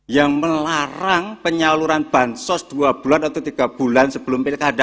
yang melarang penyaluran bansos dua bulan atau tiga bulan sebelum pilkada